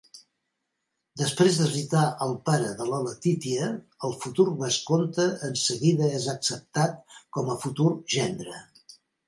Després de visitar el pare de la Letitia, el futur vescomte enseguida és acceptat com a futur gendre.